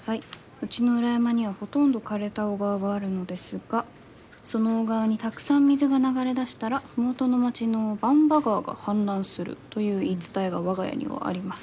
うちの裏山にはほとんど枯れた小川があるのですがその小川にたくさん水が流れ出したら麓の町の番場川が氾濫するという言い伝えが我が家にはあります」。